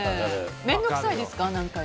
面倒くさいですか？